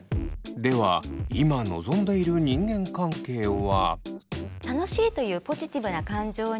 では今望んでいる人間関係は。